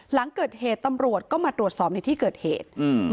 หลังเกิดเหตุตำรวจก็มาตรวจสอบในที่เกิดเหตุ